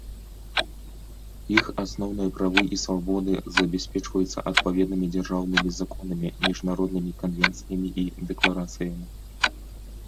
Іх асноўныя правы і свабоды забяспечваюцца адпаведнымі дзяржаўнымі законамі, міжнароднымі канвенцыямі і дэкларацыямі.